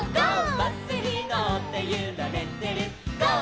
「バスにのってゆられてるゴー！